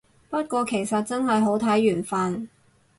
不過其實真係好睇緣份